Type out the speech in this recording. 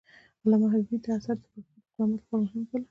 علامه حبيبي دا اثر د پښتو د قدامت لپاره مهم وباله.